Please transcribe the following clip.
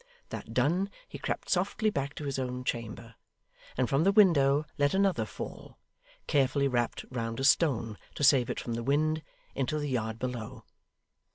That done, he crept softly back to his own chamber, and from the window let another fall carefully wrapt round a stone to save it from the wind into the yard below.